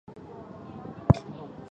人称三娘子。